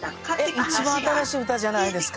一番新しい歌じゃないですか。